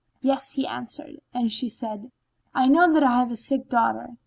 "Yes," answered he, and she said, "Know that I have a sick daughter."